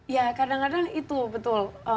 ya kadang kadang itu betul